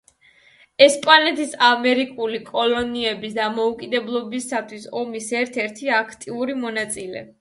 ესპანეთის ამერიკული კოლონიების დამოუკიდებლობისათვის ომის ერთ-ერთი აქტიური მონაწილე.